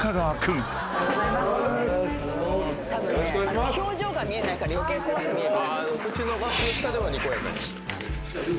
たぶんね表情が見えないから余計怖く見える。